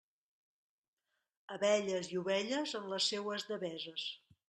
Abelles i ovelles, en les seues deveses.